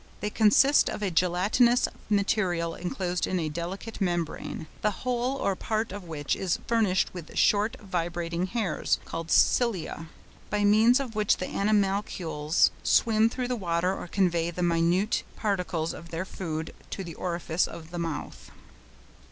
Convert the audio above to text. They consist of a gelatinous material enclosed in a delicate membrane, the whole or part of which is furnished with short vibrating hairs (called cilia), by means of which the animalcules swim through the water or convey the minute particles of their food to the orifice of the mouth.